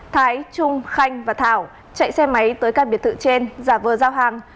thái trung khanh và thảo chạy xe máy tới các biệt thự trên giả vơ giao hàng